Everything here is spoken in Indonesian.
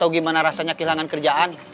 saya tau gimana rasanya kehilangan kerjaan